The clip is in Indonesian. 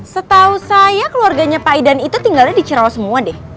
setahu saya keluarganya pak idan itu tinggalnya di cirawa semua deh